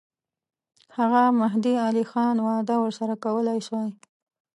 هغه مهدي علي خان وعده ورسره کولای سوای.